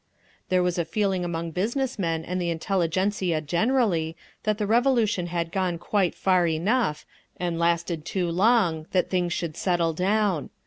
There was a feeling among business men and the intelligentzia generally that the Revolution had gone quite far enough, and lasted too long; that things should settle down.